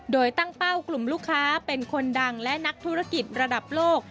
โดยตั้งเป้ากลุ่มลูกค้าเป็นคนดังและนักธุรกิจระดับโลก